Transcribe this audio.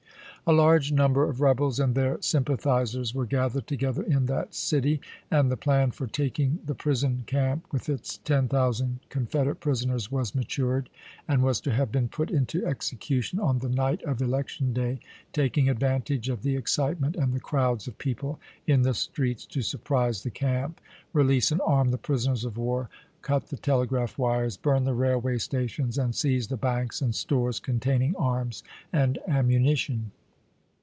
A large number of rebels and their sym pathizers were gathered together in that city, and the plan for taking the prison camp with its ten thousand Confederate prisoners was matured, and was to have been put into execution on the night of election day, taking advantage of the excitement and the crowds of people in the streets to surprise the camp, release and arm the prisoners of war, cut the telegi'aph wires, bm'n the railway stations, and seize the banks and stores containing arms and ammunition.